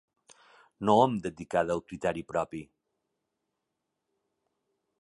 No hem d'abdicar del criteri propi.